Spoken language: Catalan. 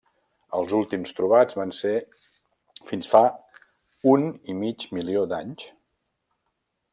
Els últims trobats van ser fins fa un i mig milió d’anys.